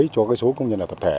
cho số công nhân tập thể